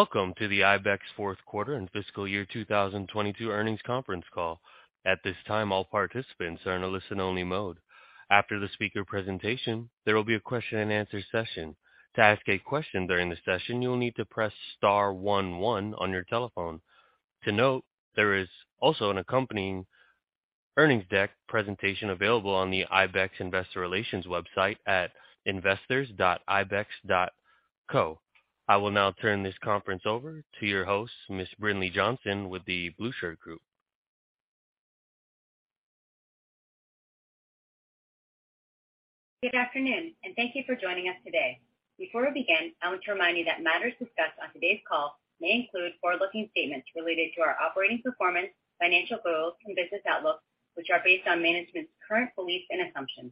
Welcome to the IBEX Fourth Quarter and Fiscal Year 2022 Earnings Conference Call. At this time, all participants are in a listen-only mode. After the speaker presentation, there will be a question and answer session. To ask a question during the session, you will need to press star one one on your telephone. To note, there is also an accompanying earnings deck presentation available on the IBEX Investor Relations website at investors.ibex.co. I will now turn this conference over to your host, Ms. Brinlea Johnson with The Blueshirt Group. Good afternoon and thank you for joining us today. Before we begin, I want to remind you that matters discussed on today's call may include forward-looking statements related to our operating performance, financial goals and business outlook, which are based on management's current beliefs and assumptions.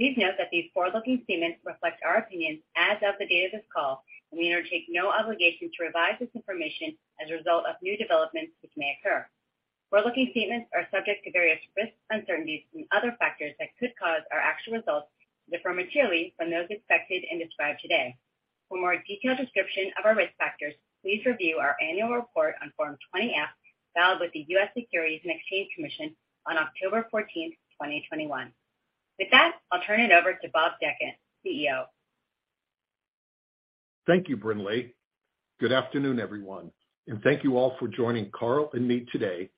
Please note that these forward-looking statements reflect our opinions as of the date of this call, and we undertake no obligation to revise this information as a result of new developments which may occur. Forward-looking statements are subject to various risks, uncertainties and other factors that could cause our actual results to differ materially from those expected and described today. For more detailed description of our risk factors, please review our annual report on Form 20-F, filed with the U.S. Securities and Exchange Commission on October 14, 2021. With that, I'll turn it over to Bob Dechant, CEO. Thank you, Brinlea. Good afternoon, everyone, and thank you all for joining Karl and me today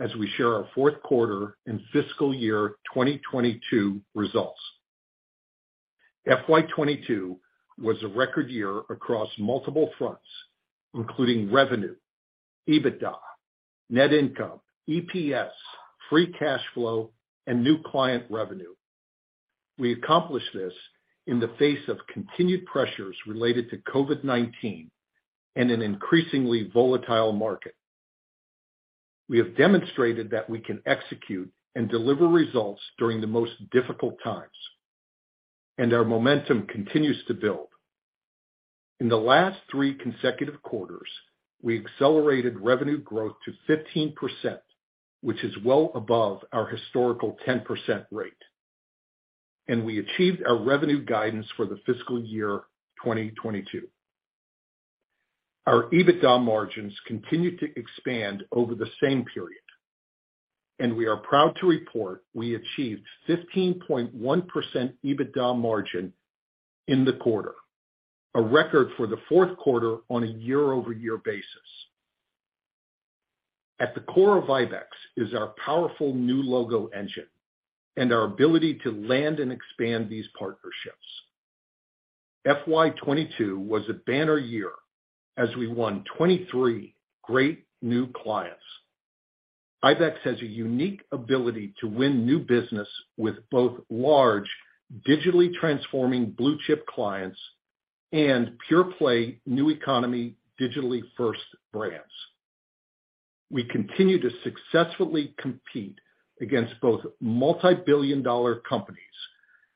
as we share our Fourth Quarter and Fiscal Year 2022 Results. FY 2022 was a record year across multiple fronts, including revenue, EBITDA, net income, EPS, free cash flow and new client revenue. We accomplished this in the face of continued pressures related to COVID-19 and an increasingly volatile market. We have demonstrated that we can execute and deliver results during the most difficult times, and our momentum continues to build. In the last three consecutive quarters, we accelerated revenue growth to 15%, which is well above our historical 10% rate, and we achieved our revenue guidance for the fiscal year 2022. Our EBITDA margins continued to expand over the same period, and we are proud to report we achieved 15.1% EBITDA margin in the quarter, a record for the fourth quarter on a year-over-year basis. At the core of IBEX is our powerful new logo engine and our ability to land and expand these partnerships. FY 2022 was a banner year as we won 23 great new clients. IBEX has a unique ability to win new business with both large, digitally transforming blue chip clients and pure play new economy digitally first brands. We continue to successfully compete against both multi-billion-dollar companies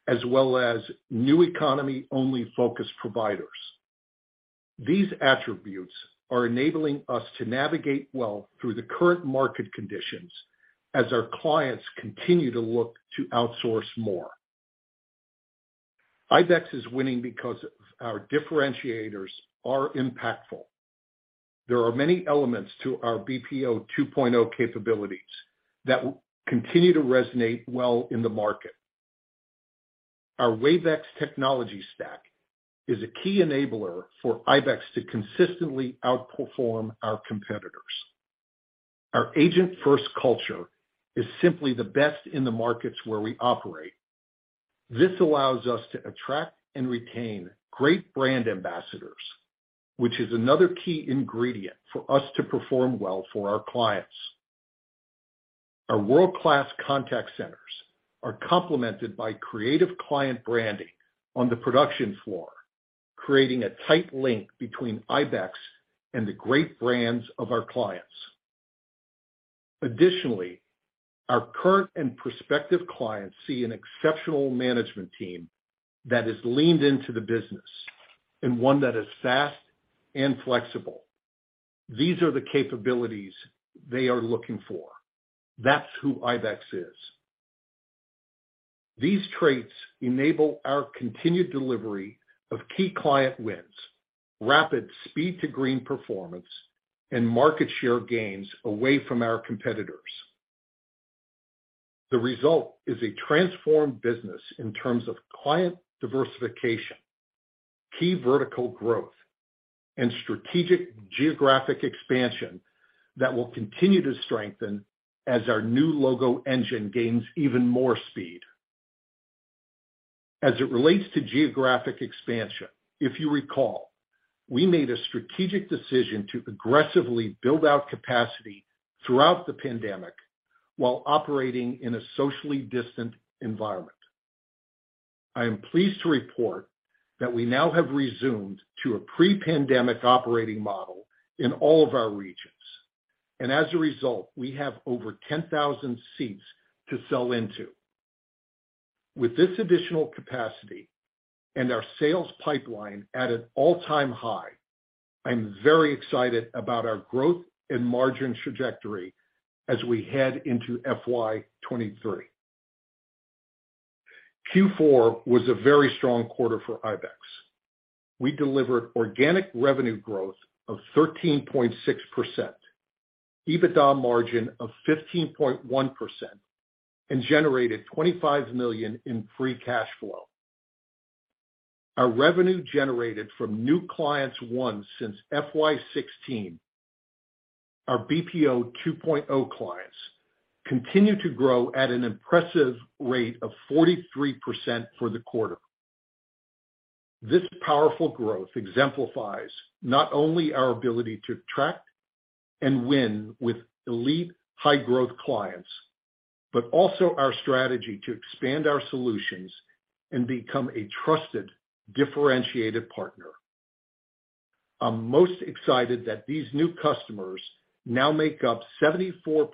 as well as new economy only focused providers. These attributes are enabling us to navigate well through the current market conditions as our clients continue to look to outsource more. IBEX is winning because our differentiators are impactful. There are many elements to our BPO 2.0 capabilities that will continue to resonate well in the market. Our WaveX technology stack is a key enabler for IBEX to consistently outperform our competitors. Our agent first culture is simply the best in the markets where we operate. This allows us to attract and retain great brand ambassadors, which is another key ingredient for us to perform well for our clients. Our world class contact centers are complemented by creative client branding on the production floor, creating a tight link between IBEX and the great brands of our clients. Additionally, our current and prospective clients see an exceptional management team that has leaned into the business and one that is fast and flexible. These are the capabilities they are looking for. That's who IBEX is. These traits enable our continued delivery of key client wins, rapid speed to green performance, and market share gains away from our competitors. The result is a transformed business in terms of client diversification, key vertical growth, and strategic geographic expansion that will continue to strengthen as our new logo engine gains even more speed. As it relates to geographic expansion, if you recall, we made a strategic decision to aggressively build out capacity throughout the pandemic while operating in a socially distant environment. I am pleased to report that we now have resumed to a pre-pandemic operating model in all of our regions. As a result, we have over 10,000 seats to sell into. With this additional capacity and our sales pipeline at an all-time high, I'm very excited about our growth and margin trajectory as we head into FY 2023. Q4 was a very strong quarter for IBEX. We delivered organic revenue growth of 13.6%, EBITDA margin of 15.1%, and generated $25 million in free cash flow. Our revenue generated from new clients won since FY 2016, our BPO 2.0 clients continue to grow at an impressive rate of 43% for the quarter. This powerful growth exemplifies not only our ability to attract and win with elite high growth clients, but also our strategy to expand our solutions and become a trusted, differentiated partner. I'm most excited that these new customers now make up 74%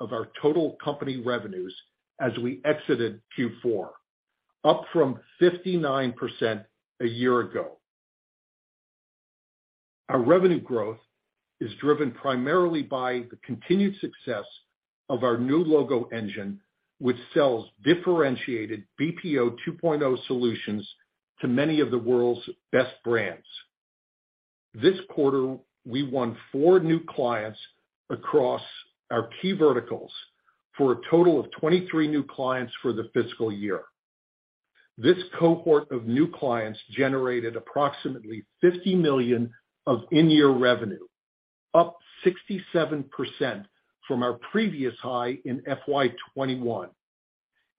of our total company revenues as we exited Q4, up from 59% a year ago. Our revenue growth is driven primarily by the continued success of our new logo engine, which sells differentiated BPO 2.0 solutions to many of the world's best brands. This quarter, we won 4 new clients across our key verticals for a total of 23 new clients for the fiscal year. This cohort of new clients generated approximately $50 million of in-year revenue, up 67% from our previous high in FY 2021,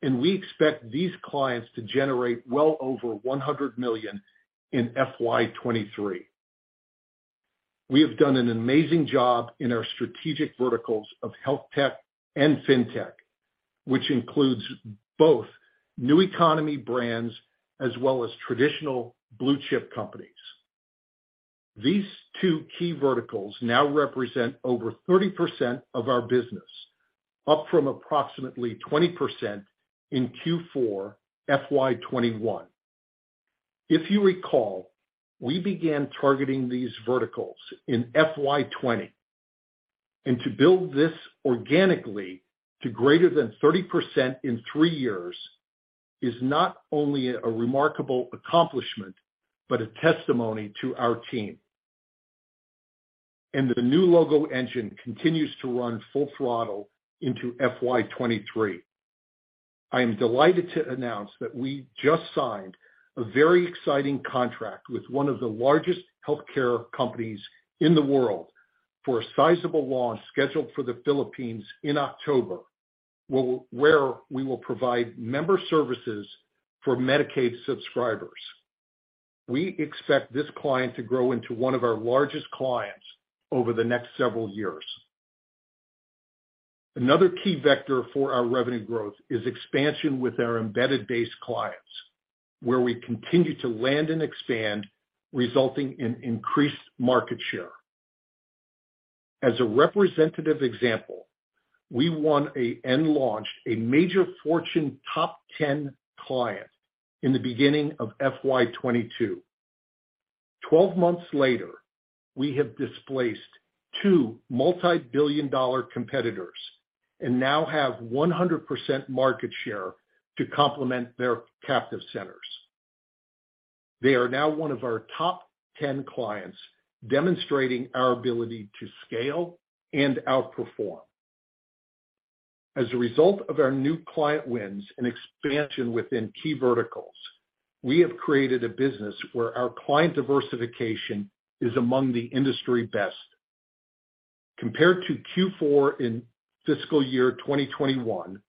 and we expect these clients to generate well over $100 million in FY 2023. We have done an amazing job in our strategic verticals of health tech and fintech, which includes both new economy brands as well as traditional blue chip companies. These two key verticals now represent over 30% of our business, up from approximately 20% in Q4 FY 2021. If you recall, we began targeting these verticals in FY 2020, and to build this organically to greater than 30% in three years is not only a remarkable accomplishment, but a testimony to our team. The new logo engine continues to run full throttle into FY 2023. I am delighted to announce that we just signed a very exciting contract with one of the largest healthcare companies in the world for a sizable launch scheduled for the Philippines in October, where we will provide member services for Medicaid subscribers. We expect this client to grow into one of our largest clients over the next several years. Another key vector for our revenue growth is expansion with our embedded base clients, where we continue to land and expand, resulting in increased market share. As a representative example, we won and launched a major Fortune top 10 client in the beginning of FY 2022. 12 months later, we have displaced two multi-billion-dollar competitors and now have 100% market share to complement their captive centers. They are now one of our top 10 clients, demonstrating our ability to scale and outperform. As a result of our new client wins and expansion within key verticals, we have created a business where our client diversification is among the industry best. Compared to Q4 in fiscal year 2021,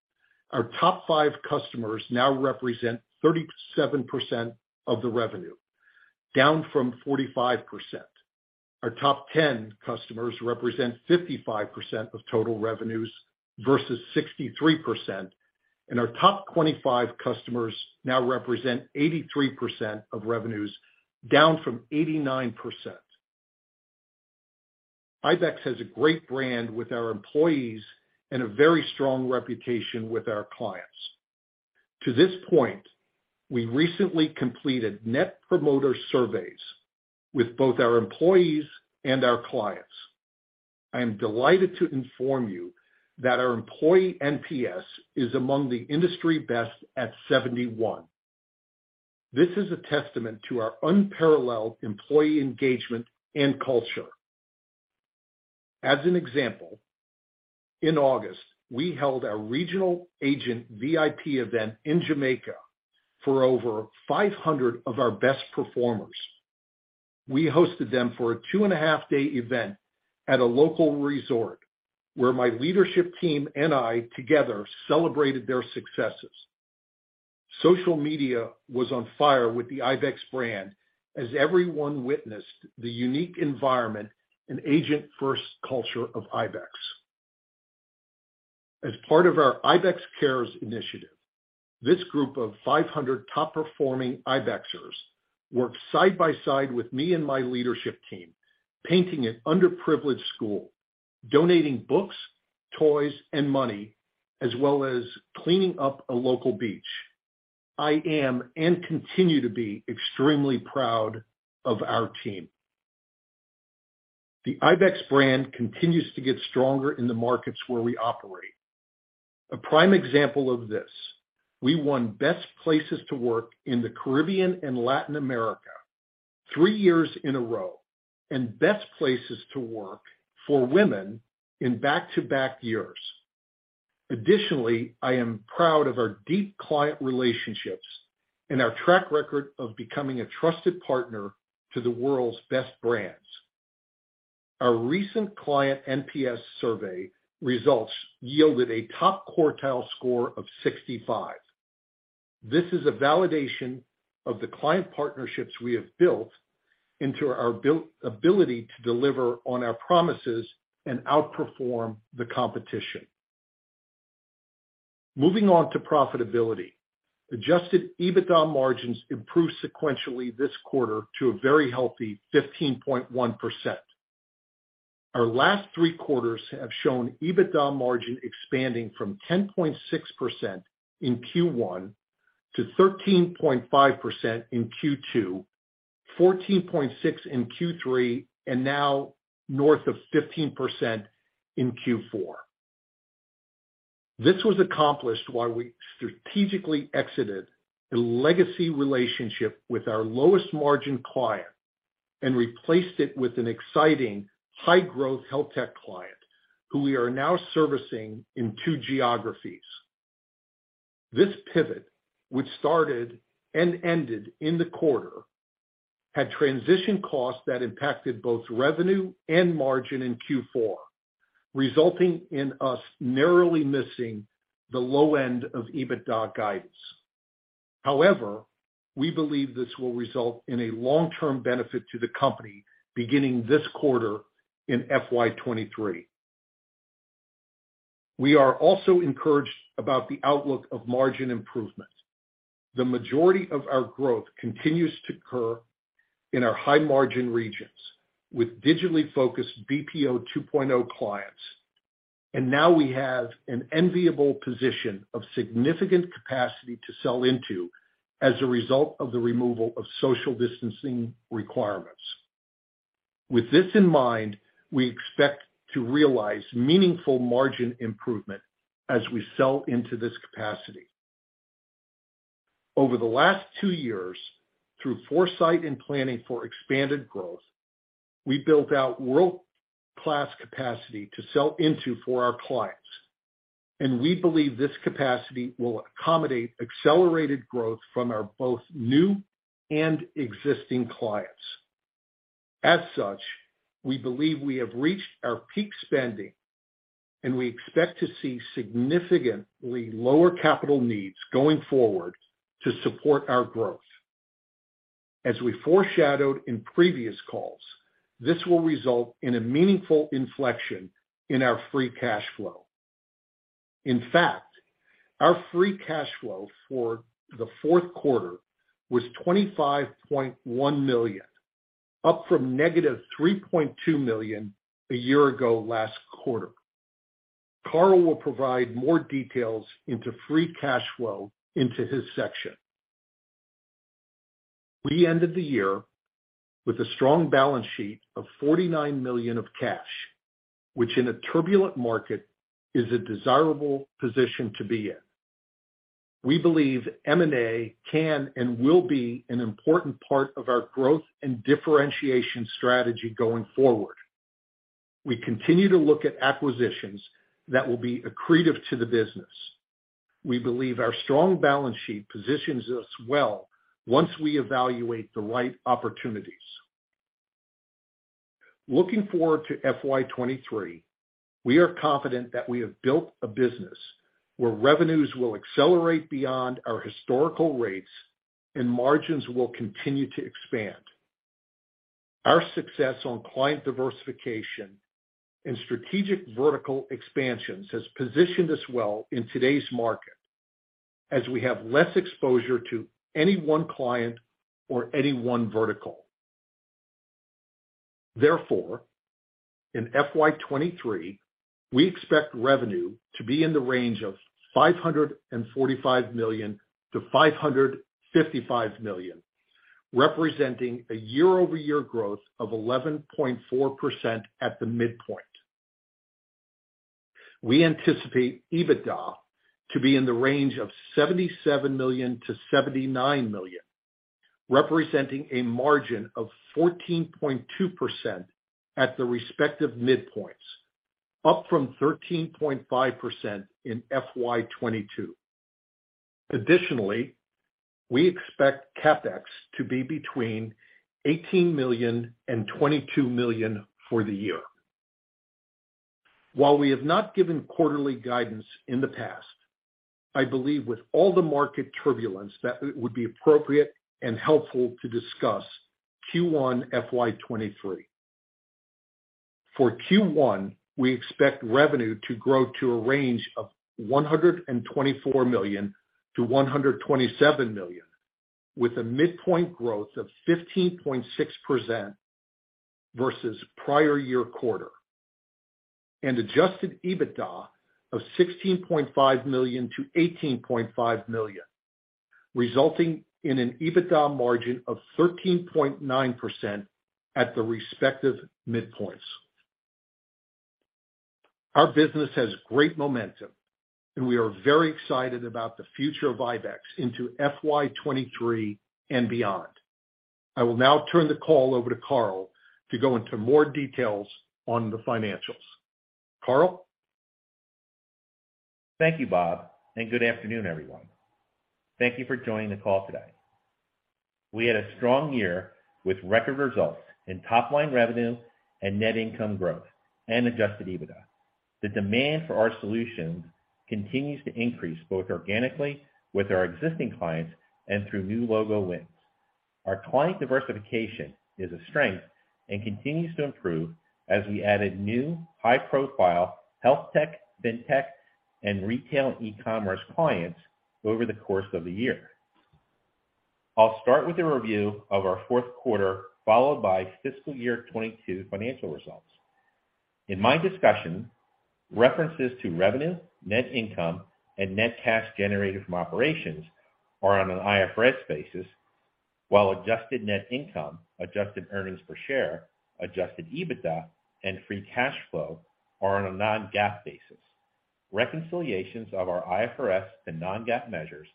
our top 5 customers now represent 37% of the revenue, down from 45%. Our top 10 customers represent 55% of total revenues versus 63%, and our top 25 customers now represent 83% of revenues, down from 89%. IBEX has a great brand with our employees and a very strong reputation with our clients. To this point, we recently completed net promoter surveys with both our employees and our clients. I am delighted to inform you that our employee NPS is among the industry best at 71. This is a testament to our unparalleled employee engagement and culture. As an example, in August, we held our regional agent VIP event in Jamaica for over 500 of our best performers. We hosted them for a two and a half day event at a local resort where my leadership team and I together celebrated their successes. Social media was on fire with the IBEX brand as everyone witnessed the unique environment and agent first culture of IBEX. As part of our IBEX Cares initiative, this group of 500 top performing IBEXers worked side by side with me and my leadership team, painting an underprivileged school, donating books, toys and money, as well as cleaning up a local beach. I am and continue to be extremely proud of our team. The IBEX brand continues to get stronger in the markets where we operate. A prime example of this, we won Best Places to Work in the Caribbean and Latin America 3 years in a row, and Best Places to Work for women in back-to-back years. Additionally, I am proud of our deep client relationships and our track record of becoming a trusted partner to the world's best brands. Our recent client NPS survey results yielded a top-quartile score of 65. This is a validation of the client partnerships we have built into our ability to deliver on our promises and outperform the competition. Moving on to profitability. Adjusted EBITDA margins improved sequentially this quarter to a very healthy 15.1%. Our last three quarters have shown EBITDA margin expanding from 10.6% in Q1 to 13.5% in Q2, 14.6% in Q3, and now north of 15% in Q4. This was accomplished while we strategically exited a legacy relationship with our lowest margin client and replaced it with an exciting high-growth health tech client who we are now servicing in two geographies. This pivot, which started and ended in the quarter, had transition costs that impacted both revenue and margin in Q4, resulting in us narrowly missing the low end of EBITDA guidance. However, we believe this will result in a long-term benefit to the company beginning this quarter in FY 2023. We are also encouraged about the outlook of margin improvement. The majority of our growth continues to occur in our high-margin regions with digitally focused BPO 2.0 clients. Now we have an enviable position of significant capacity to sell into as a result of the removal of social distancing requirements. With this in mind, we expect to realize meaningful margin improvement as we sell into this capacity. Over the last two years, through foresight and planning for expanded growth, we built out world-class capacity to sell into for our clients, and we believe this capacity will accommodate accelerated growth from both our new and existing clients. As such, we believe we have reached our peak spending, and we expect to see significantly lower capital needs going forward to support our growth. As we foreshadowed in previous calls, this will result in a meaningful inflection in our free cash flow. In fact, our free cash flow for the fourth quarter was $25.1 million, up from -$3.2 million a year ago last quarter. Karl will provide more details on free cash flow in his section. We ended the year with a strong balance sheet of $49 million of cash, which in a turbulent market is a desirable position to be in. We believe M&A can and will be an important part of our growth and differentiation strategy going forward. We continue to look at acquisitions that will be accretive to the business. We believe our strong balance sheet positions us well once we evaluate the right opportunities. Looking forward to FY 2023, we are confident that we have built a business where revenues will accelerate beyond our historical rates and margins will continue to expand. Our success on client diversification and strategic vertical expansions has positioned us well in today's market as we have less exposure to any one client or any one vertical. Therefore, in FY 2023, we expect revenue to be in the range of $545 million-$555 million, representing a year-over-year growth of 11.4% at the midpoint. We anticipate EBITDA to be in the range of $77 million-$79 million, representing a margin of 14.2% at the respective midpoints, up from 13.5% in FY 2022. Additionally, we expect CapEx to be between $18 million and $22 million for the year. While we have not given quarterly guidance in the past, I believe with all the market turbulence that it would be appropriate and helpful to discuss Q1 FY 2023. For Q1, we expect revenue to grow to a range of $124 million-$127 million, with a midpoint growth of 15.6% versus prior year quarter. Adjusted EBITDA of $16.5 million-$18.5 million, resulting in an EBITDA margin of 13.9% at the respective midpoints. Our business has great momentum, and we are very excited about the future of IBEX into FY 2023 and beyond. I will now turn the call over to Karl to go into more details on the financials. Karl? Thank you, Bob, and good afternoon, everyone. Thank you for joining the call today. We had a strong year with record results in top line revenue and net income growth and adjusted EBITDA. The demand for our solutions continues to increase, both organically with our existing clients and through new logo wins. Our client diversification is a strength and continues to improve as we added new high-profile health tech, fintech, and retail e-commerce clients over the course of the year. I'll start with a review of our fourth quarter, followed by fiscal year 2022 financial results. In my discussion, references to revenue, net income, and net cash generated from operations are on an IFRS basis, while adjusted net income, adjusted earnings per share, adjusted EBITDA, and free cash flow are on a non-GAAP basis. Reconciliations of our IFRS to non-GAAP measures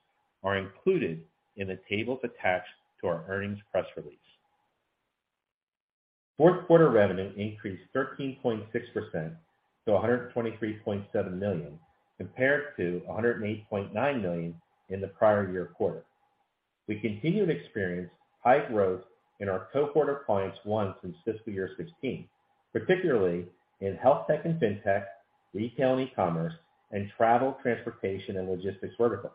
are included in the tables attached to our earnings press release. Fourth quarter revenue increased 13.6% to $123.7 million, compared to $108.9 million in the prior year quarter. We continued to experience high growth in our cohort of clients won since fiscal year 2016, particularly in health tech and fintech, retail and e-commerce, and travel, transportation, and logistics verticals.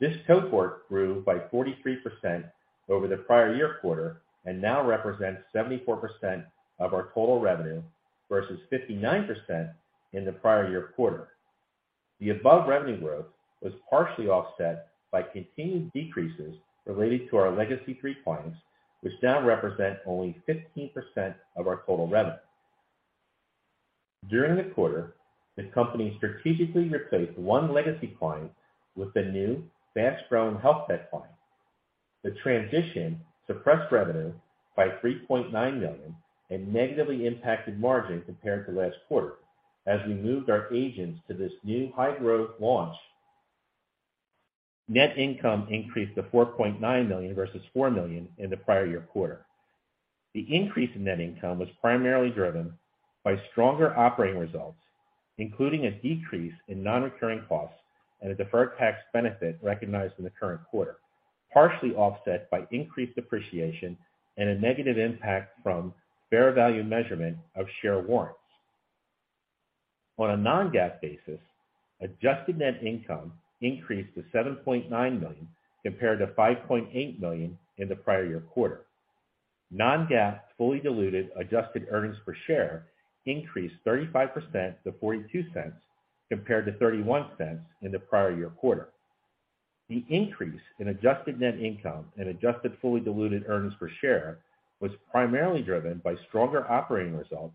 This cohort grew by 43% over the prior year quarter and now represents 74% of our total revenue versus 59% in the prior year quarter. The above revenue growth was partially offset by continued decreases related to our legacy three clients, which now represent only 15% of our total revenue. During the quarter, the company strategically replaced one legacy client with a new fast-growing health tech client. The transition suppressed revenue by $3.9 million and negatively impacted margin compared to last quarter as we moved our agents to this new high-growth launch. Net income increased to $4.9 million versus $4 million in the prior year quarter. The increase in net income was primarily driven by stronger operating results, including a decrease in non-recurring costs and a deferred tax benefit recognized in the current quarter, partially offset by increased depreciation and a negative impact from fair value measurement of share warrants. On a non-GAAP basis, adjusted net income increased to $7.9 million compared to $5.8 million in the prior year quarter. Non-GAAP fully diluted adjusted earnings per share increased 35% to $0.42 compared to $0.31 in the prior year quarter. The increase in adjusted net income and adjusted fully diluted earnings per share was primarily driven by stronger operating results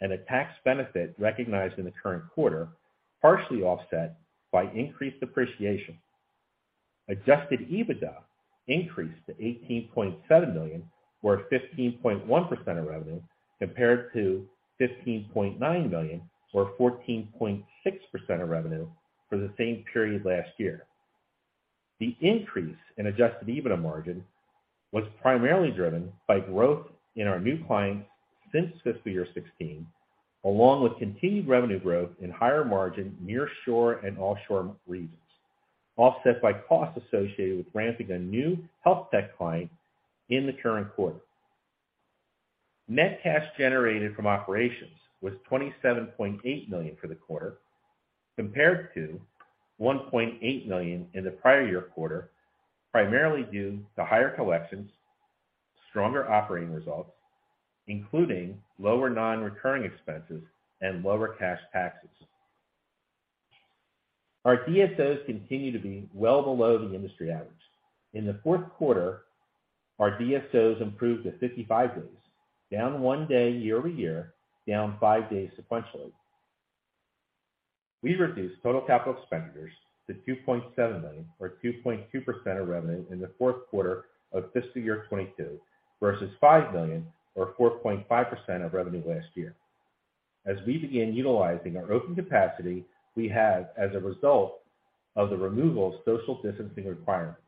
and a tax benefit recognized in the current quarter, partially offset by increased depreciation. Adjusted EBITDA increased to $18.7 million, or 15.1% of revenue, compared to $15.9 million, or 14.6% of revenue for the same period last year. The increase in adjusted EBITDA margin was primarily driven by growth in our new clients since fiscal year 2016, along with continued revenue growth in higher margin nearshore and offshore regions, offset by costs associated with ramping a new health tech client in the current quarter. Net cash generated from operations was $27.8 million for the quarter, compared to $1.8 million in the prior year quarter, primarily due to higher collections, stronger operating results, including lower non-recurring expenses and lower cash taxes. Our DSOs continue to be well below the industry average. In the fourth quarter, our DSOs improved to 55 days, down one day year-over-year, down five days sequentially. We reduced total capital expenditures to $2.7 million or 2.2% of revenue in the fourth quarter of fiscal year 2022 versus $5 million or 4.5% of revenue last year as we begin utilizing our open capacity we have as a result of the removal of social distancing requirements.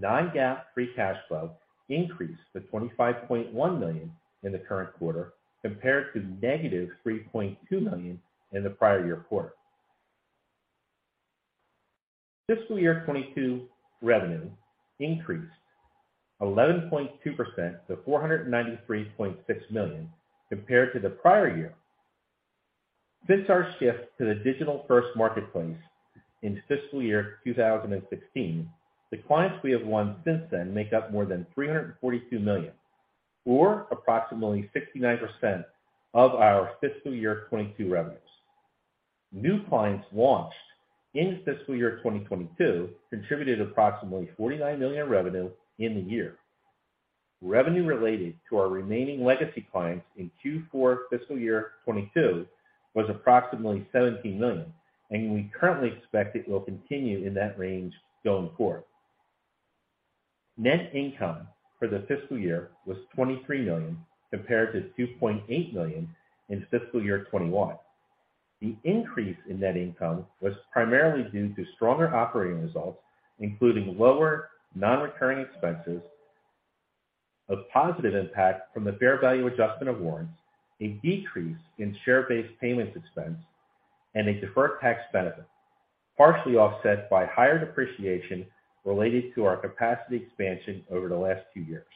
Non-GAAP free cash flow increased to $25.1 million in the current quarter compared to -$3.2 million in the prior year quarter. Fiscal year 2022 revenue increased 11.2% to $493.6 million compared to the prior year. Since our shift to the digital-first marketplace in fiscal year 2016, the clients we have won since then make up more than $342 million, or approximately 69% of our fiscal year 2022 revenues. New clients launched in fiscal year 2022 contributed approximately $49 million in revenue in the year. Revenue related to our remaining legacy clients in Q4 fiscal year 2022 was approximately $17 million, and we currently expect it will continue in that range going forward. Net income for the fiscal year was $23 million compared to $2.8 million in fiscal year 2021. The increase in net income was primarily due to stronger operating results, including lower non-recurring expenses, a positive impact from the fair value adjustment of warrants, a decrease in share-based payments expense, and a deferred tax benefit, partially offset by higher depreciation related to our capacity expansion over the last two years.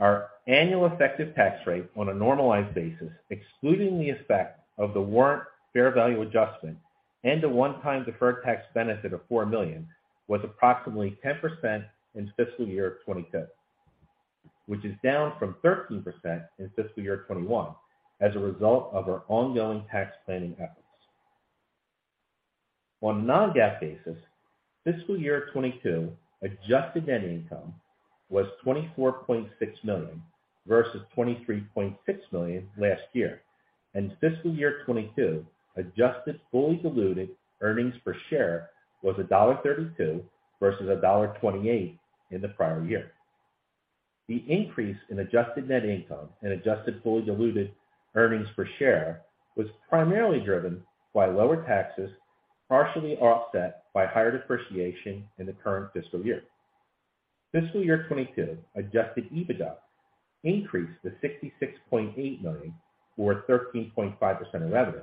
Our annual effective tax rate on a normalized basis, excluding the effect of the warrant fair value adjustment and a one-time deferred tax benefit of $4 million, was approximately 10% in fiscal year 2022, which is down from 13% in fiscal year 2021 as a result of our ongoing tax planning efforts. On a non-GAAP basis, fiscal year 2022 adjusted net income was $24.6 million versus $23.6 million last year, and fiscal year 2022 adjusted fully diluted earnings per share was $1.32 versus $1.28 in the prior year. The increase in adjusted net income and adjusted fully diluted earnings per share was primarily driven by lower taxes, partially offset by higher depreciation in the current fiscal year. Fiscal year 2022 adjusted EBITDA increased to $66.8 million, or 13.5% of revenue,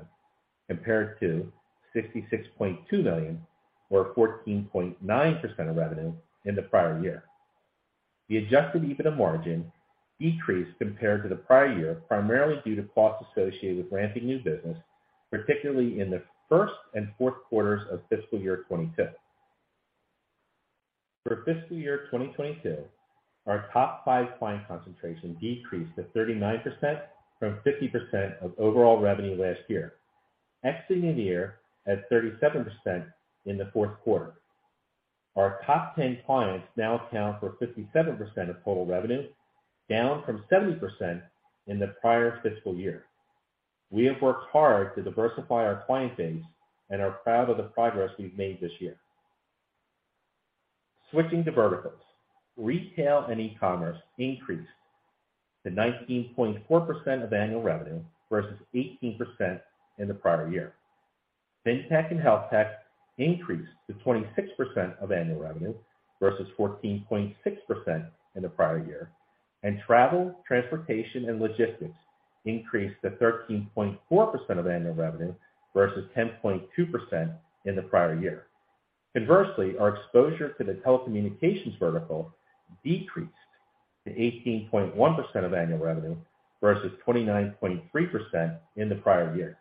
compared to $66.2 million, or 14.9% of revenue in the prior year. The adjusted EBITDA margin decreased compared to the prior year, primarily due to costs associated with ramping new business, particularly in the first and fourth quarters of fiscal year 2022. For fiscal year 2022, our top five client concentration decreased to 39% from 50% of overall revenue last year, exiting the year at 37% in the fourth quarter. Our top ten clients now account for 57% of total revenue, down from 70% in the prior fiscal year. We have worked hard to diversify our client base and are proud of the progress we've made this year. Switching to verticals, retail and e-commerce increased to 19.4% of annual revenue versus 18% in the prior year. Fintech and health tech increased to 26% of annual revenue versus 14.6% in the prior year. Travel, transportation, and logistics increased to 13.4% of annual revenue versus 10.2% in the prior year. Conversely, our exposure to the telecommunications vertical decreased to 18.1% of annual revenue versus 29.3% in the prior year.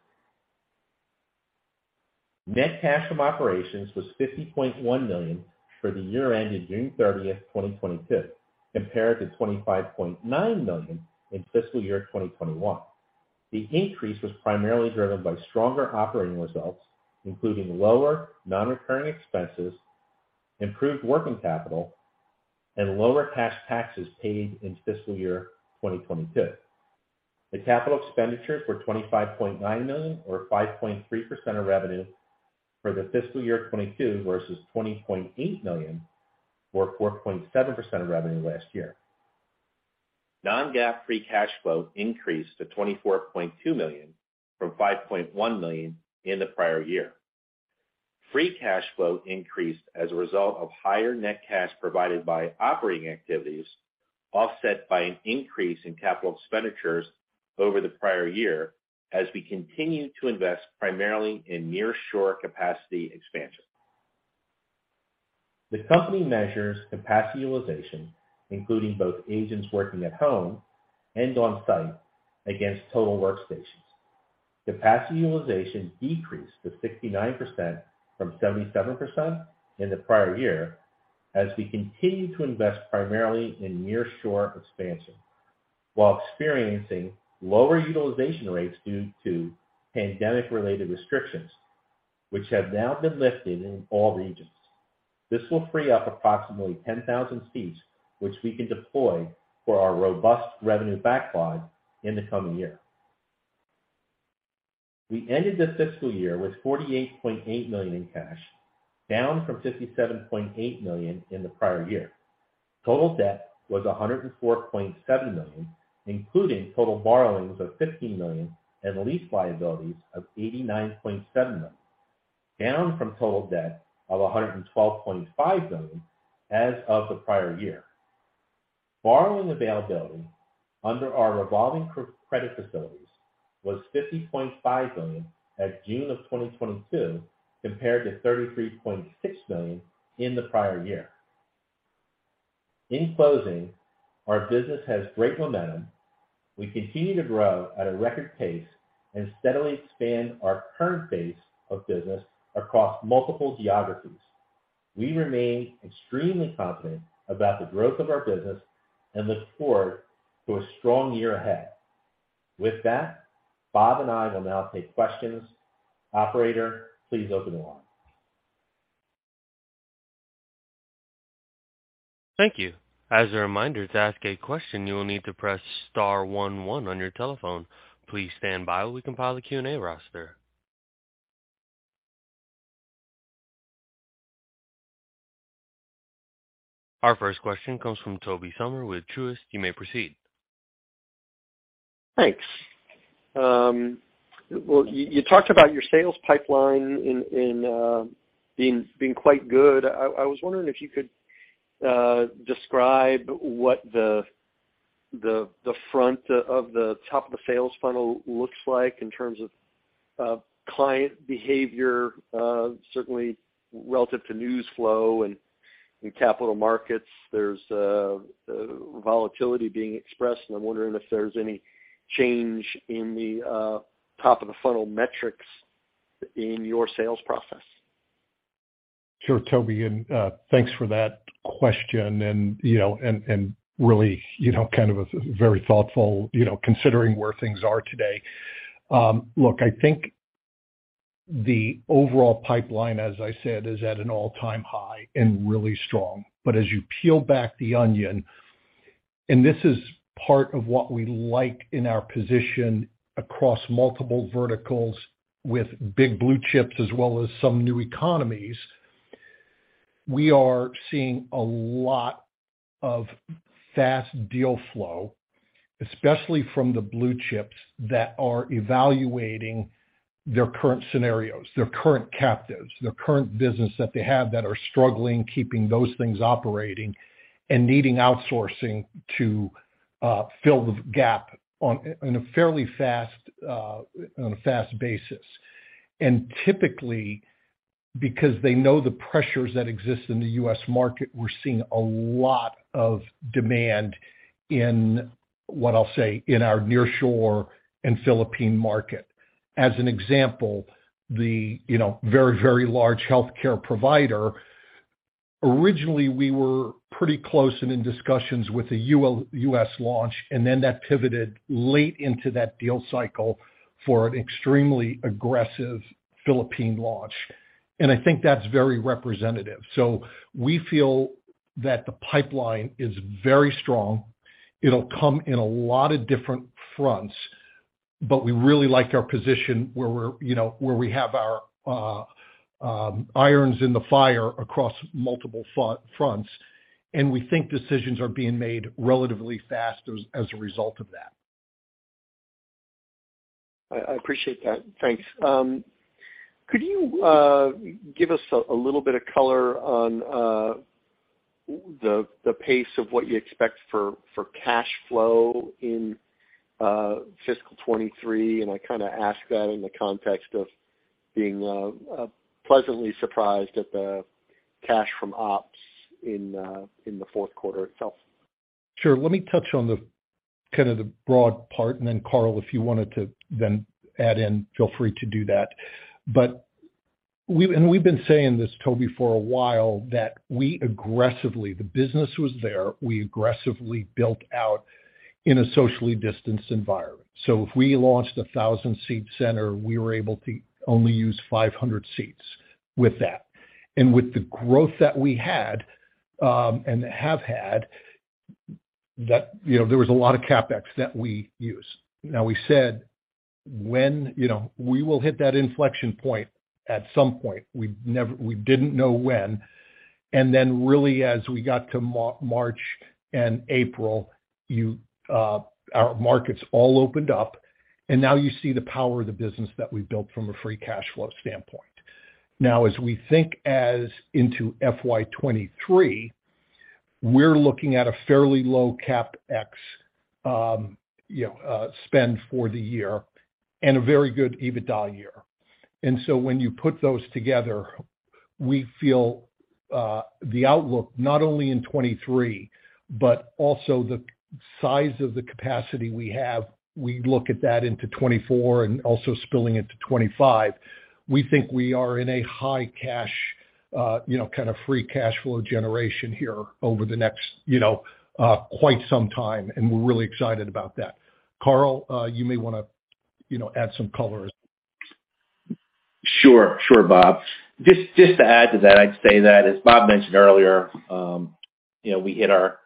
Net cash from operations was $50.1 million for the year ended June 30, 2022, compared to $25.9 million in fiscal year 2021. The increase was primarily driven by stronger operating results, including lower non-recurring expenses, improved working capital, and lower cash taxes paid in fiscal year 2022. The capital expenditure for $25.9 million or 5.3% of revenue for the fiscal year 2022 versus $20.8 million or 4.7% of revenue last year. Non-GAAP free cash flow increased to $24.2 million from $5.1 million in the prior year. Free cash flow increased as a result of higher net cash provided by operating activities, offset by an increase in capital expenditures over the prior year as we continue to invest primarily in nearshore capacity expansion. The company measures capacity utilization, including both agents working at home and on-site, against total workstations. Capacity utilization decreased to 69% from 77% in the prior year as we continue to invest primarily in nearshore expansion while experiencing lower utilization rates due to pandemic-related restrictions, which have now been lifted in all regions. This will free up approximately 10,000 seats, which we can deploy for our robust revenue backlog in the coming year. We ended the fiscal year with $48.8 million in cash, down from $57.8 million in the prior year. Total debt was $104.7 million, including total borrowings of $15 million and lease liabilities of $89.7 million, down from total debt of $112.5 million as of the prior year. Borrowing availability under our revolving credit facilities was $50.5 million at June 2022 compared to $33.6 million in the prior year. In closing, our business has great momentum. We continue to grow at a record pace and steadily expand our current base of business across multiple geographies. We remain extremely confident about the growth of our business and look forward to a strong year ahead. With that, Bob and I will now take questions. Operator, please open the line. Thank you. As a reminder, to ask a question, you will need to press star one one on your telephone. Please stand by while we compile a Q&A roster. Our first question comes from Tobey Sommer with Truist. You may proceed. Thanks. Well, you talked about your sales pipeline in being quite good. I was wondering if you could describe what the front of the top of the sales funnel looks like in terms of client behavior, certainly relative to news flow and capital markets. There's volatility being expressed, and I'm wondering if there's any change in the top of the funnel metrics in your sales process. Sure, Tobey, thanks for that question. Really, kind of a very thoughtful considering where things are today. Look, I think the overall pipeline, as I said, is at an all-time high and really strong. As you peel back the onion, and this is part of what we like in our position across multiple verticals with big blue chips as well as some new economies, we are seeing a lot of fast deal flow, especially from the blue chips that are evaluating their current scenarios, their current captives, their current business that they have that are struggling, keeping those things operating and needing outsourcing to fill the gap on, in a fairly fast, on a fast basis. Typically, because they know the pressures that exist in the U.S. market, we're seeing a lot of demand in, what I'll say, in our nearshore and Philippine market. As an example, you know, very, very large healthcare provider, originally, we were pretty close and in discussions with the U.S. launch, and then that pivoted late into that deal cycle for an extremely aggressive Philippine launch. I think that's very representative. We feel that the pipeline is very strong. It'll come in a lot of different fronts, but we really like our position where we're, you know, where we have our irons in the fire across multiple fronts. We think decisions are being made relatively fast as a result of that. I appreciate that. Thanks. Could you give us a little bit of color on the pace of what you expect for cash flow in fiscal 2023? I kinda ask that in the context of being pleasantly surprised at the cash from ops in the fourth quarter itself. Sure. Let me touch on the kind of the broad part, and then Karl, if you wanted to then add in, feel free to do that. But we've been saying this, Tobey, for a while, that we aggressively built out in a socially distanced environment. If we launched a 1,000-seat center, we were able to only use 500 seats with that. With the growth that we had and have had, you know, there was a lot of CapEx that we used. Now, we said when, you know, we will hit that inflection point at some point. We didn't know when. Really, as we got to March and April, our markets all opened up, and now you see the power of the business that we've built from a free cash flow standpoint. Now, as we think ahead into FY 2023, we're looking at a fairly low CapEx spend for the year and a very good EBITDA year. When you put those together, we feel the outlook, not only in 2023, but also the size of the capacity we have. We look at that into 2024 and also spilling into 2025. We think we are in a high cash kind of free cash flow generation here over the next quite some time, and we're really excited about that. Karl, you may wanna add some color, Sure, Bob. Just to add to that, I'd say that as Bob mentioned earlier, you know, we hit our,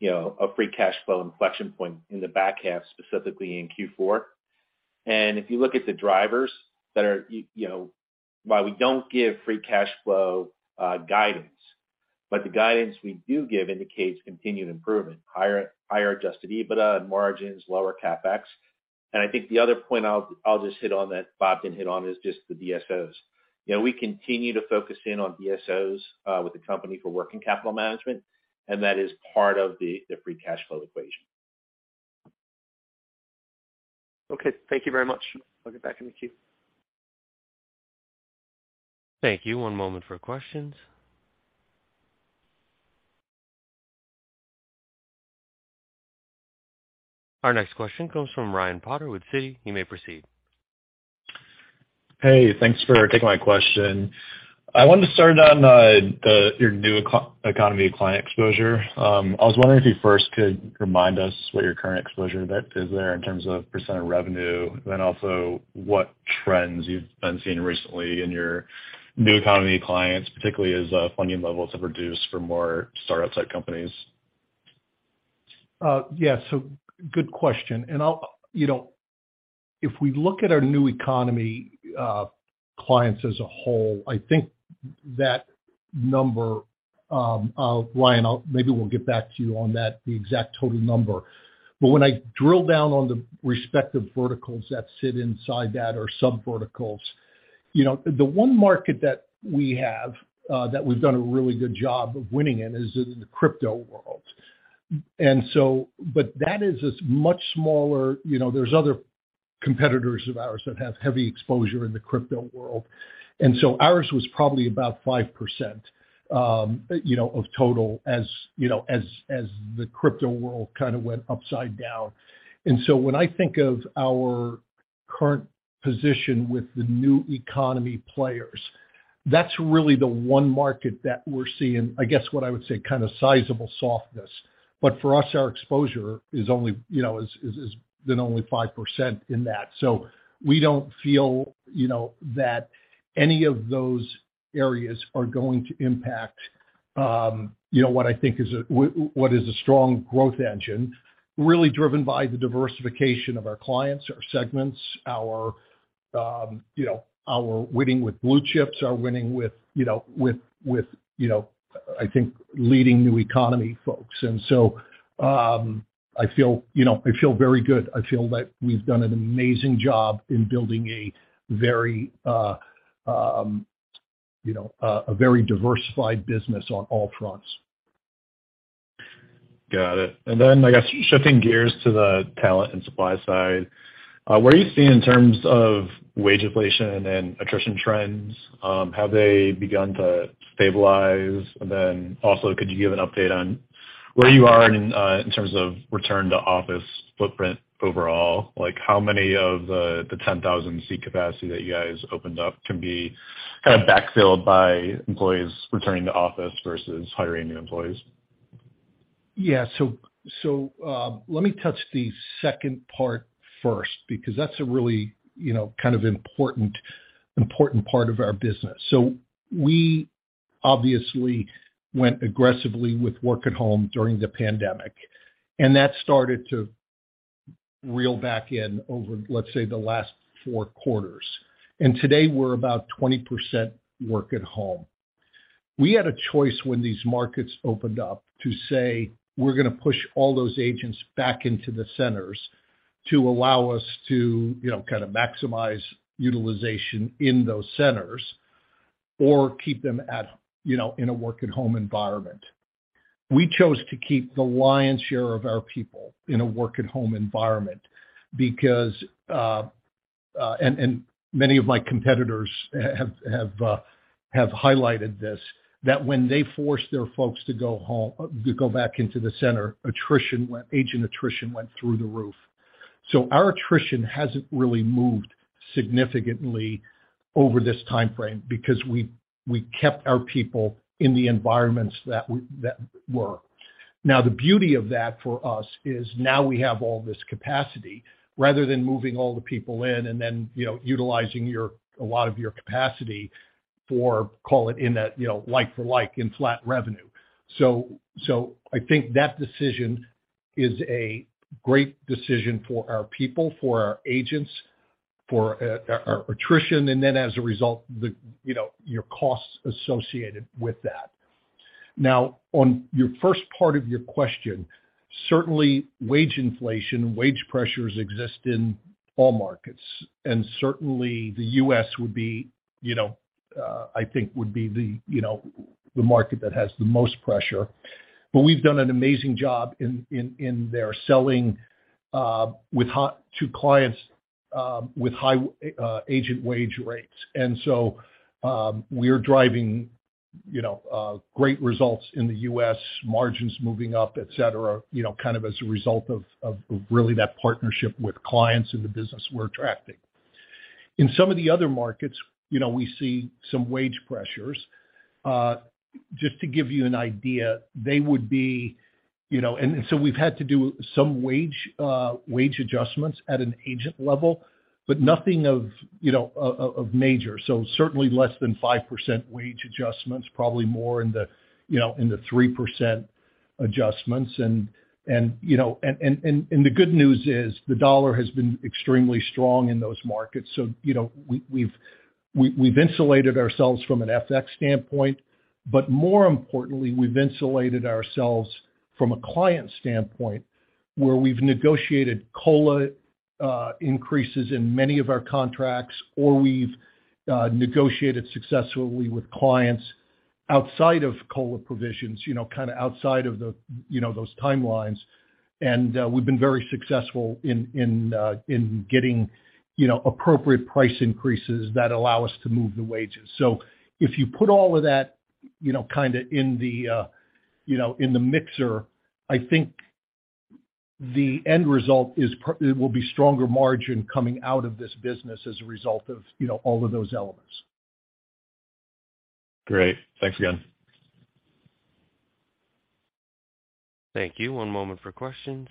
you know, a free cash flow inflection point in the back half, specifically in Q4. If you look at the drivers that are, you know, while we don't give free cash flow guidance, but the guidance we do give indicates continued improvement, higher adjusted EBITDA margins, lower CapEx. I think the other point I'll just hit on that Bob didn't hit on is just the DSOs. You know, we continue to focus in on DSOs with the company for working capital management, and that is part of the free cash flow equation. Okay. Thank you very much. I'll get back in the queue. Thank you. One moment for questions. Our next question comes from Ryan Potter with Citi. You may proceed. Hey, thanks for taking my question. I wanted to start on your new economy client exposure. I was wondering if you first could remind us what your current exposure that is there in terms of percent of revenue, then also what trends you've been seeing recently in your new economy clients, particularly as funding levels have reduced for more startup-type companies. Yeah. Good question. You know, if we look at our new economy clients as a whole, I think that number, Ryan, maybe we'll get back to you on that, the exact total number. When I drill down on the respective verticals that sit inside that or sub verticals, you know, the one market that we have that we've done a really good job of winning in is in the crypto world. That is a much smaller. You know, there's other competitors of ours that have heavy exposure in the crypto world. Ours was probably about 5%, you know, of total, as you know, as the crypto world kind of went upside down. When I think of our current position with the new economy players, that's really the one market that we're seeing, I guess, what I would say, kind of sizable softness. For us, our exposure is only, you know, has been only 5% in that. We don't feel, you know, that any of those areas are going to impact, you know, what I think is what is a strong growth engine really driven by the diversification of our clients, our segments, our, you know, our winning with blue chips, our winning with, you know, leading new economy folks. I feel, you know, I feel very good. I feel that we've done an amazing job in building a very, you know, diversified business on all fronts. Got it. I guess shifting gears to the talent and supply side, where are you seeing in terms of wage inflation and attrition trends? Have they begun to stabilize? Also could you give an update on where you are in terms of return to office footprint overall? Like how many of the 10,000 seat capacity that you guys opened up can be kind of backfilled by employees returning to office versus hiring new employees? Yeah. Let me touch the second part first, because that's a really, you know, kind of important part of our business. We obviously went aggressively with work at home during the pandemic, and that started to reel back in over, let's say, the last four quarters. Today we're about 20% work at home. We had a choice when these markets opened up to say, we're gonna push all those agents back into the centers to allow us to, you know, kind of maximize utilization in those centers or keep them at, you know, in a work at home environment. We chose to keep the lion's share of our people in a work at home environment because many of my competitors have highlighted this, that when they force their folks to go back into the center, agent attrition went through the roof. Our attrition hasn't really moved significantly over this timeframe because we kept our people in the environments that were. Now, the beauty of that for us is now we have all this capacity rather than moving all the people in and then, you know, utilizing a lot of your capacity for call it in that, you know, like for like in flat revenue. I think that decision is a great decision for our people, for our agents, for our attrition, and then as a result, you know, your costs associated with that. Now, on your first part of your question, certainly wage inflation, wage pressures exist in all markets, and certainly the US would be, you know, I think the market that has the most pressure. We've done an amazing job in there selling to clients with high agent wage rates. We're driving, you know, great results in the US, margins moving up, etc., you know, kind of as a result of really that partnership with clients in the business we're attracting. In some of the other markets, you know, we see some wage pressures. Just to give you an idea, they would be, you know. We've had to do some wage adjustments at an agent level, but nothing of, you know, of major. Certainly less than 5% wage adjustments, probably more in the, you know, in the 3% adjustments. You know, the good news is the dollar has been extremely strong in those markets. You know, we've insulated ourselves from an FX standpoint, but more importantly, we've insulated ourselves from a client standpoint where we've negotiated COLA increases in many of our contracts, or we've negotiated successfully with clients outside of COLA provisions, you know, kind of outside of the, you know, those timelines. We've been very successful in getting, you know, appropriate price increases that allow us to move the wages. If you put all of that, you know, kind of in the mixer. I think the end result will be stronger margin coming out of this business as a result of, you know, all of those elements. Great. Thanks again. Thank you. One moment for questions.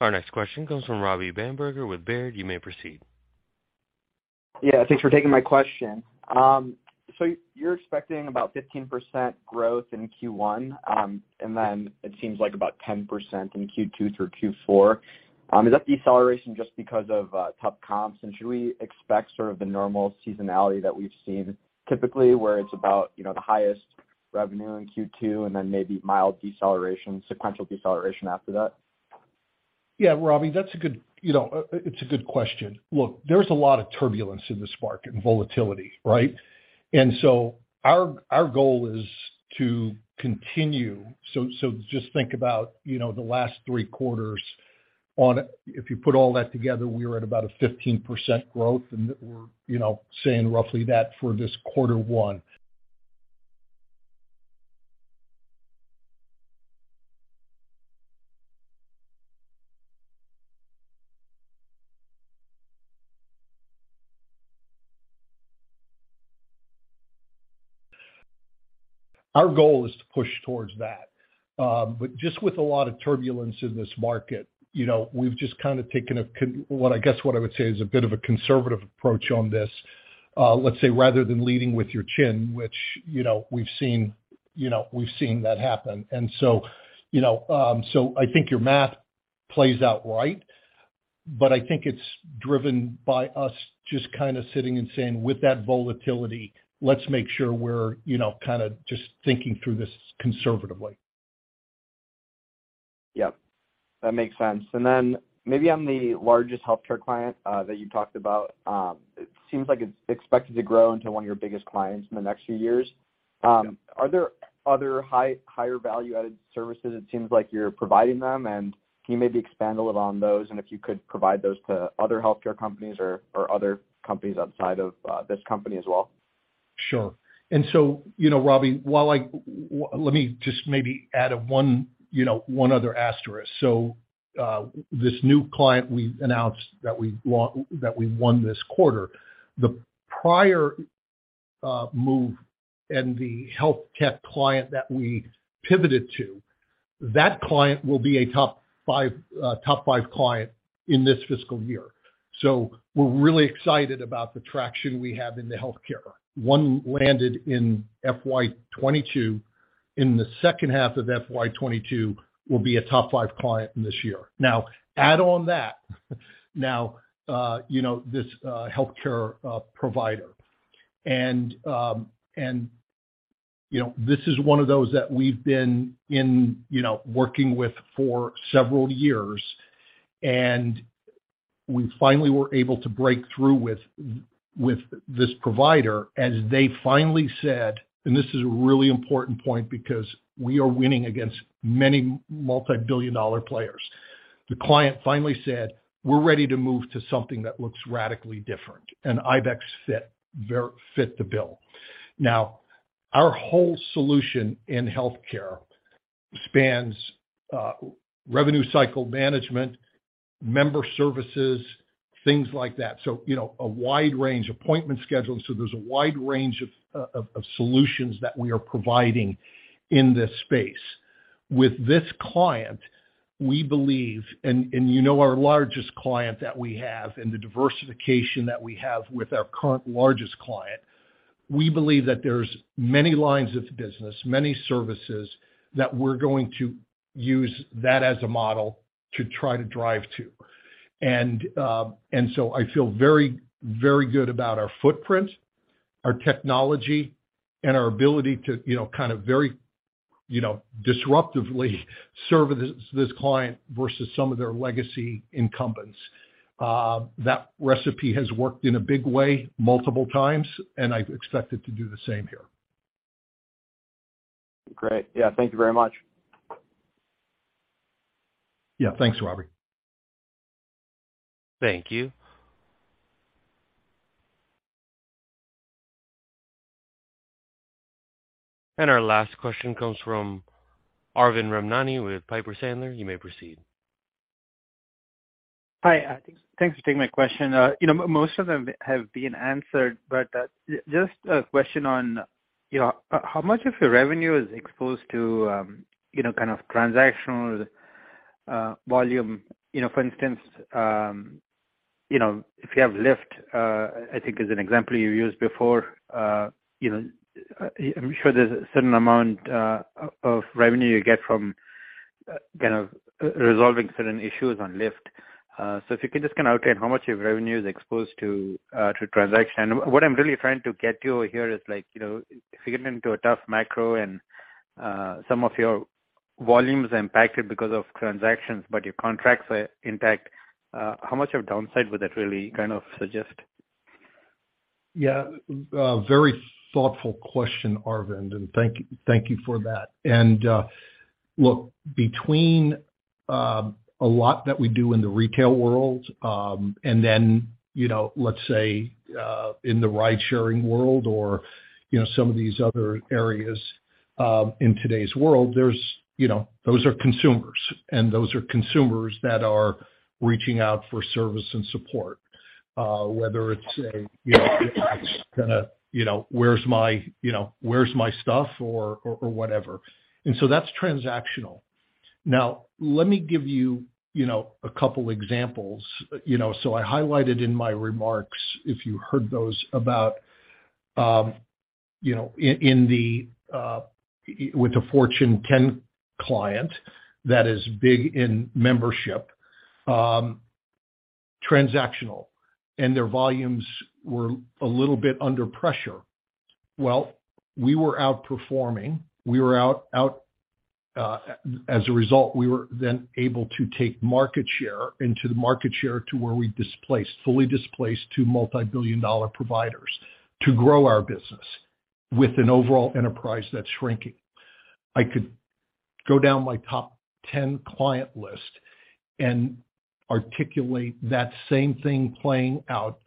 Our next question comes from Robbie Bamberger with Baird. You may proceed. Yeah, thanks for taking my question. So you're expecting about 15% growth in Q1, and then it seems like about 10% in Q2 through Q4. Is that deceleration just because of tough comps? Should we expect sort of the normal seasonality that we've seen typically where it's about, you know, the highest revenue in Q2 and then maybe mild deceleration, sequential deceleration after that? Yeah, Robbie, that's a good, you know, it's a good question. Look, there's a lot of turbulence in this market and volatility, right? Our goal is to continue. Just think about, you know, the last three quarters on it. If you put all that together, we were at about a 15% growth. We're, you know, saying roughly that for this quarter one. Our goal is to push towards that. Just with a lot of turbulence in this market, you know, we've just kind of taken what I guess I would say is a bit of a conservative approach on this, let's say, rather than leading with your chin, which, you know, we've seen that happen. You know, so I think your math plays out right, but I think it's driven by us just kind of sitting and saying, with that volatility, let's make sure we're, you know, kind of just thinking through this conservatively. Yep, that makes sense. Maybe on the largest healthcare client, that you talked about, it seems like it's expected to grow into one of your biggest clients in the next few years. Are there other higher value-added services? It seems like you're providing them and can you maybe expand a little on those and if you could provide those to other healthcare companies or other companies outside of this company as well? Sure. You know, Robbie, let me just maybe add one other asterisk. This new client we announced that we won this quarter, the prior move and the health tech client that we pivoted to, that client will be a top five client in this fiscal year. So, we're really excited about the traction we have in the healthcare. One landed in FY 2022. In the second half of FY 2022 will be a top five client in this year. Now add on that, you know, this healthcare provider. You know, this is one of those that we've been working with for several years. We finally were able to break through with this provider as they finally said, and this is a really important point because we are winning against many multibillion-dollar players. The client finally said, "We're ready to move to something that looks radically different," and IBEX fit the bill. Now, our whole solution in healthcare spans revenue cycle management, member services, things like that. You know, a wide range, appointment scheduling. There's a wide range of solutions that we are providing in this space. With this client, we believe, and you know our largest client that we have and the diversification that we have with our current largest client, we believe that there's many lines of business, many services that we're going to use that as a model to try to drive to. I feel very good about our footprint, our technology, and our ability to, you know, kind of very, you know, disruptively serve this client versus some of their legacy incumbents. That recipe has worked in a big way multiple times, and I expect it to do the same here. Great. Yeah. Thank you very much. Yeah. Thanks, Robbie. Thank you. Our last question comes from Arvind Ramnani with Piper Sandler. You may proceed. Hi. Thanks for taking my question. You know, most of them have been answered, but just a question on, you know, how much of your revenue is exposed to, you know, kind of transactional volume? You know, for instance, you know, if you have Lyft, I think is an example you used before, you know, I'm sure there's a certain amount of revenue you get from, kind of resolving certain issues on Lyft. If you can just kind of outline how much of your revenue is exposed to transaction. What I'm really trying to get to here is like, you know, if you get into a tough macro and some of your volume is impacted because of transactions, but your contracts are intact, how much of downside would that really kind of suggest? Yeah. Very thoughtful question, Arvind. Thank you for that. Look, between a lot that we do in the retail world, and then you know let's say in the ridesharing world or you know some of these other areas in today's world there's you know those are consumers that are reaching out for service and support. Whether it's a you know where's my stuff or whatever. That's transactional. Now let me give you you know a couple examples. You know I highlighted in my remarks if you heard those about you know in the with the Fortune top 10 client that is big in membership transactional and their volumes were a little bit under pressure. Well we were outperforming. We were out... As a result, we were then able to take market share to where we fully displaced two multibillion-dollar providers to grow our business with an overall enterprise that's shrinking. I could go down my top 10 client list and articulate that same thing playing out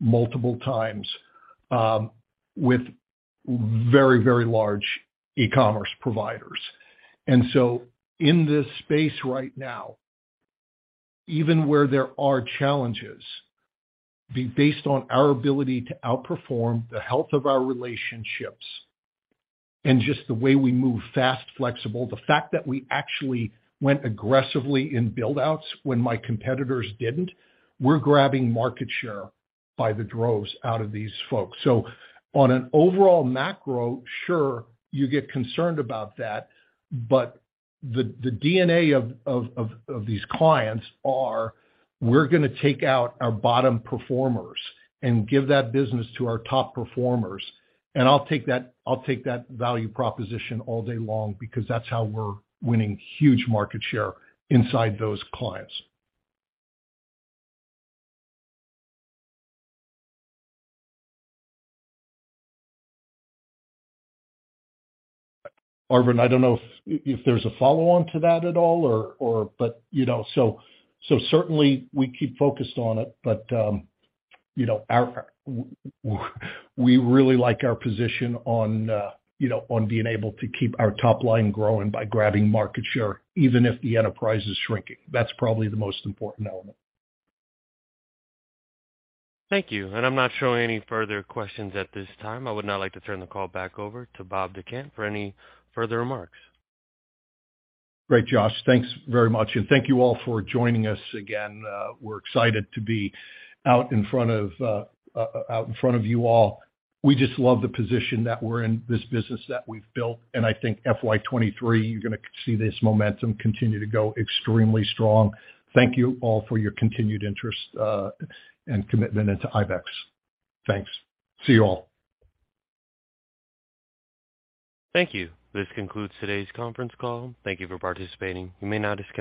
multiple times, with very large e-commerce providers. In this space right now, even where there are challenges, based on our ability to outperform the health of our relationships and just the way we move fast, flexible, the fact that we actually went aggressively in build-outs when my competitors didn't, we're grabbing market share by the droves out of these folks. On an overall macro, sure, you get concerned about that. The DNA of these clients, we're gonna take out our bottom performers and give that business to our top performers. I'll take that value proposition all day long because that's how we're winning huge market share inside those clients. Arvind, I don't know if there's a follow-on to that at all or you know. Certainly we keep focused on it. You know, we really like our position on you know, on being able to keep our top line growing by grabbing market share, even if the enterprise is shrinking. That's probably the most important element. Thank you. I'm not showing any further questions at this time. I would now like to turn the call back over to Bob Dechant for any further remarks. Great, Josh. Thanks very much, and thank you all for joining us again. We're excited to be out in front of you all. We just love the position that we're in, this business that we've built, and I think FY 2023, you're gonna see this momentum continue to go extremely strong. Thank you all for your continued interest, and commitment into IBEX. Thanks. See you all. Thank you. This concludes today's conference call. Thank you for participating. You may now disconnect.